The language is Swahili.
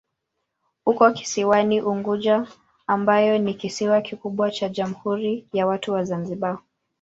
Uko kisiwani Unguja ambayo ni kisiwa kikubwa cha Jamhuri ya Watu wa Zanzibar.